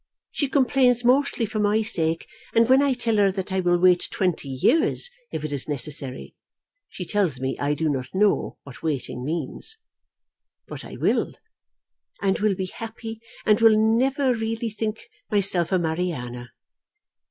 She complains mostly for my sake, and when I tell her that I will wait twenty years if it is necessary, she tells me I do not know what waiting means. But I will, and will be happy, and will never really think myself a Mariana.